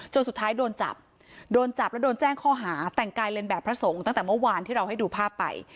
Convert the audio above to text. สุดท้ายโดนจับโดนจับแล้วโดนแจ้งข้อหาแต่งกายเรียนแบบพระสงฆ์ตั้งแต่เมื่อวานที่เราให้ดูภาพไป